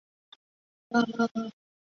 构建完成的卡组。